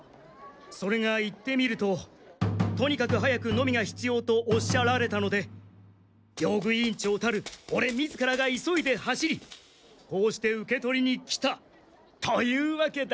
それが行ってみると「とにかく早くノミが必要」とおっしゃられたので用具委員長たるオレ自らが急いで走りこうして受け取りに来たというわけだ！